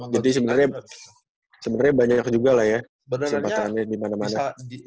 jadi sebenarnya banyak juga lah ya kesempatannya dimana mana